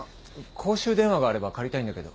公衆電話があれば借りたいんだけど。